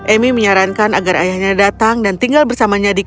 emi menyarankan agar ayahnya datang dan tinggal bersamanya di kota